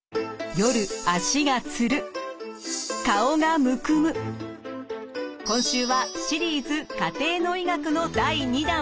夜今週はシリーズ「家庭の医学」の第２弾。